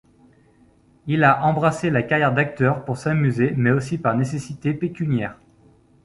Il a embrassé la carrière d'acteur pour s'amuser mais aussi par nécessité pécuniaire.